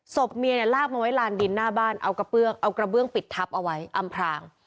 ศพเมียลากมาไว้รานดินหน้าบ้านเอากระเบื้องปิดทับเอาไว้อำพลาง